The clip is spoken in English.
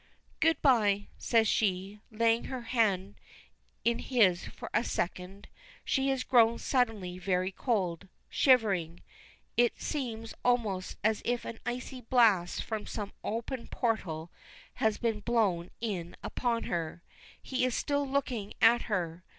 "Good bye," says she, laying her hand in his for a second. She has grown suddenly very cold, shivering: it seems almost as if an icy blast from some open portal has been blown in upon her. He is still looking at her.